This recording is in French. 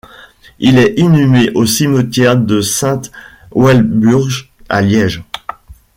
Il est inhumé au cimetière de Sainte-Walburge à Liège.